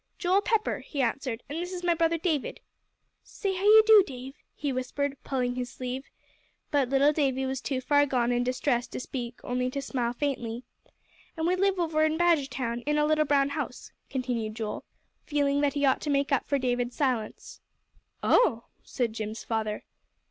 "Joel Pepper," he answered, "and this is my brother David. Say how do you do, Dave," he whispered, pulling his sleeve. But little Davie was too far gone in distress to speak, only to smile faintly. "And we live over in Badgertown in a little brown house," continued Joel, feeling that he ought to make up for David's silence. "Oh!" said Jim's father.